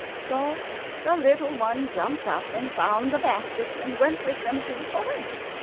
So the little one jumped up, and found the baskets, and went with them to the forest.